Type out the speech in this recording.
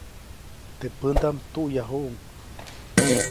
Teʼ pändaʼm tuʼyajuʼuŋ.